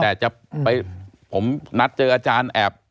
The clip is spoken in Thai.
แต่จะไปผมนัดเจออาจารย์แอบ